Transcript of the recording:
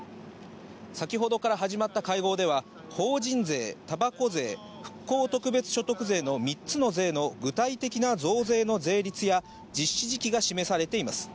先ほどから始まった会合では、法人税、たばこ税、復興特別所得税の３つの税の具体的な増税の税率や実施時期が示されています。